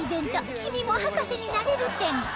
「君も博士になれる展」